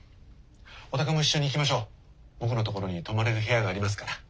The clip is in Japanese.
お宅も一緒に行きましょう僕のところに泊まれる部屋がありますから。